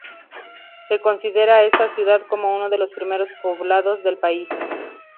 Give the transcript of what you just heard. Se considera a esta ciudad como uno de los primeros poblados del país.